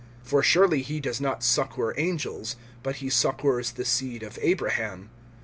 (16)For surely he does not succor angels; but he succors the seed of Abraham.